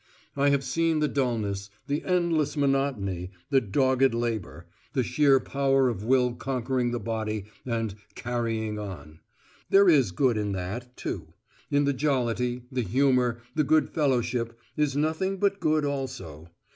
I have seen the dulness, the endless monotony, the dogged labour, the sheer power of will conquering the body and "carrying on": there is good in that, too. In the jollity, the humour, the good fellowship, is nothing but good also.